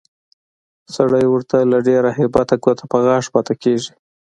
سړی ورته له ډېره هیبته ګوته په غاښ پاتې کېږي